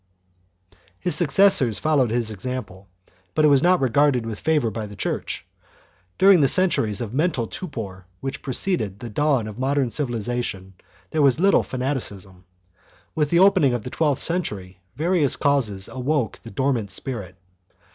1 His successors followed his example, but it was not regarded with favor by the Church. During the centuries of mental torpor which preceded the dawn of modern civilization there was little fanaticism. With the opening of the twelfth century various causes awoke the dormant spirit.